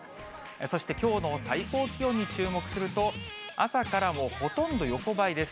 そしてきょうの最高気温に注目すると、朝からほとんど横ばいです。